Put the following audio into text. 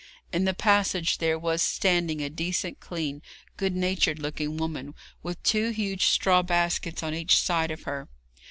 In the passage there was standing a decent, clean, good natured looking woman with two huge straw baskets on each side of her.